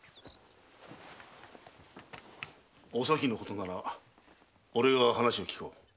おさきのことなら俺が話を聞こう。